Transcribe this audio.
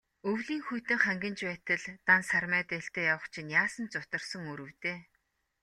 Өвлийн хүйтэн хангинаж байтал, дан сармай дээлтэй явах чинь яасан зутарсан үр вэ дээ.